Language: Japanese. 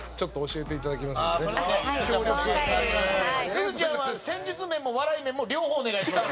すずちゃんは、戦術面も笑い面も両方、お願いします。